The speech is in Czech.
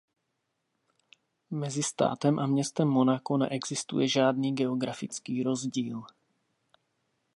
Mezi státem a městem Monako neexistuje žádný geografický rozdíl.